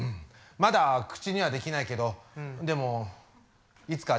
まだ口にはできないけどでもいつかちゃんと。